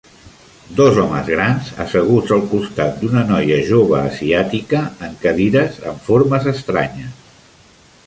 Dos homes grans asseguts al costat d'una noia jove asiàtica en cadires amb formes estranyes.